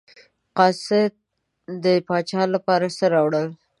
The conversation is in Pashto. قاصد د پاچا لپاره څه راوړل.